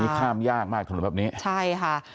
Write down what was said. วันนี้ข้ามยากมากขนาดแบบนี้